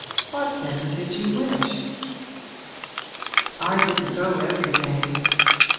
What then did you wish?' 'I didn't go every day.